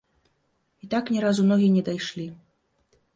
І так ні разу ногі не дайшлі.